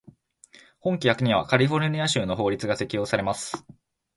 本規約にはカリフォルニア州の法律が適用されます。